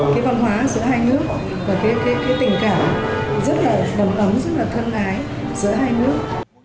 cái văn hóa giữa hai nước và cái tình cảm rất là ấm ấm rất là thân ái giữa hai nước